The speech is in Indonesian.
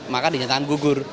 maka dinyatakan gugur